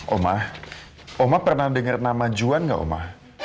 oma oma pernah dengar nama juan gak oma